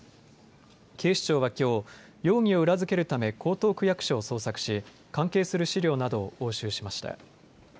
警視庁は、きょう容疑を裏付けるため江東区役所を捜索し関係する資料などを応酬しました。